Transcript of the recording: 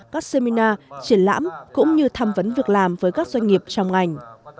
các seminar triển lãm cũng như tham vấn việc làm với các doanh nghiệp trong ngành